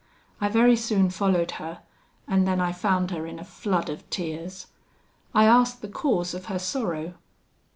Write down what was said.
I very soon followed her, and then I found her in a flood of tears. I asked the cause of her sorrow.